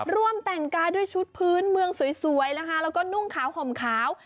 ร่วมแต่งกายด้วยชุดพื้นเมืองสวยนะคะแล้วก็นุ่งขาวห่มขาว